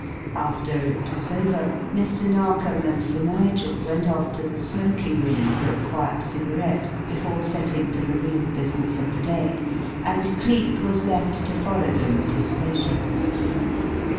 After it was over, Mr. Narkom and Sir Nigel went off to the smoking room for a quiet cigarette before setting to the real business of the day, and Cleek was left to follow them at his leisure.